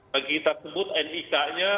bagi kita sebut nik nya